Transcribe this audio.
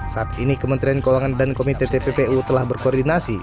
saat ini kementerian keuangan dan komite tppu telah berkoordinasi